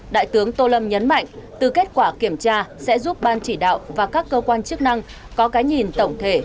đại tướng tô lâm nhấn mạnh từ kết quả kiểm tra sẽ giúp ban chỉ đạo và các cơ quan chức năng có cái nhìn tổng thể